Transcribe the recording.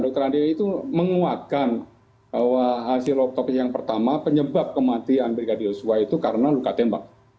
dr ade itu menguatkan bahwa hasil otopsi yang pertama penyebab kematian brigadier joshua itu karena luka tembak